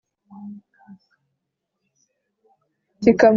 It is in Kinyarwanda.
kikamurangiza mu gituza,